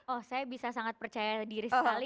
oh saya bisa sangat percaya diri sekali